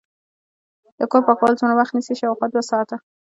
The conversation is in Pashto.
د کور پاکول څومره وخت نیسي؟ شاوخوا دوه ساعته